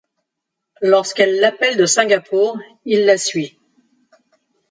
Lorsqu'elle l'appelle de Singapour, il la suit.